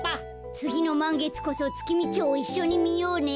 つぎのまんげつこそツキミチョウいっしょにみようね。